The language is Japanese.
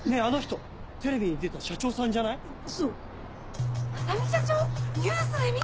あの人テレビに出てた社長さんじゃない？